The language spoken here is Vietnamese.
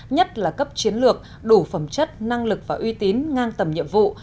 nhất là cấp chiến lược đủ phẩm chất năng lực và uy tín ngang tầm nhiệm vụ